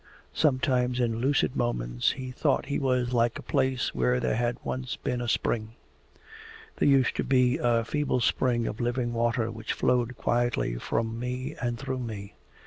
Sometimes in lucid moments he thought he was like a place where there had once been a spring. 'There used to be a feeble spring of living water which flowed quietly from me and through me.